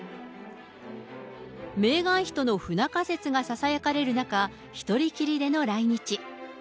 メーガン妃との不仲説がささやかれる中、１人きりでの来日。